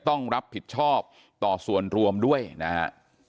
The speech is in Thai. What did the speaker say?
ต้องรับผิดชอบต่อส่วนรวมด้วยนะฮะ